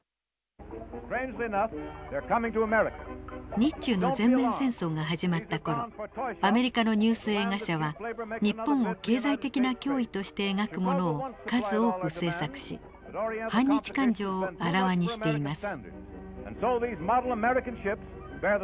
日中の全面戦争が始まった頃アメリカのニュース映画社は日本を経済的な脅威として描くものを数多く製作し反日感情をあらわにしています。